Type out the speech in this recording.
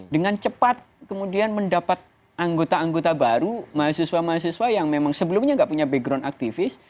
dengan cepat kemudian mendapat anggota anggota baru mahasiswa mahasiswa yang memang sebelumnya nggak punya background aktivis